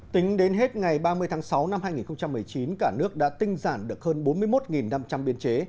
tính đến hết ngày ba mươi tháng sáu năm hai nghìn một mươi chín cả nước đã tinh giản được hơn bốn mươi một năm trăm linh biên chế